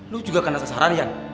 lu juga kena sasaran ya